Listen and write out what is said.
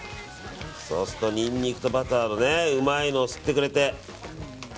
そうすると、ニンニクとバターのうまいのを吸ってくれて。